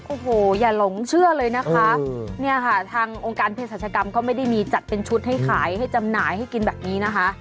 โอ้โหอย่าหลงเชื่อเลยนะคะเนี่ยค่ะทางองค์การเพศรัชกรรมก็ไม่ได้มีจัดเป็นชุดให้ขายให้จำหน่ายให้กินแบบนี้นะคะ